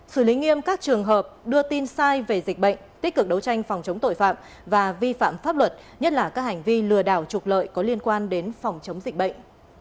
xử lý nghiêm các trường hợp đưa tin sai về dịch bệnh tích cực đấu tranh phòng chống tội phạm và vi phạm pháp luật nhất là các hành vi lừa đảo trục lợi có liên quan đến phòng chống dịch bệnh